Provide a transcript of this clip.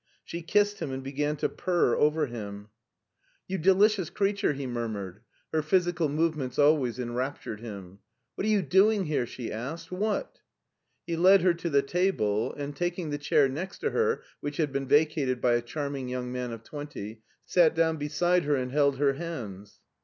She kissed him and beg^ to purr over him. it it 376 MARTIN SCHtJLER " You delicious creature f " he murmured. Her phy sical movements always enraptured him. " What are you doing here? " she asked; " what? '* He led her to the table, and taking the chair next to her, which had been vacated by a charming young man of twenty, sat down beside her and held her hands.